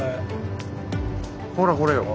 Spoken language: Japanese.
ほらこれよ。